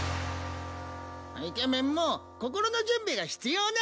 イケメンも心の準備が必要なんですよ。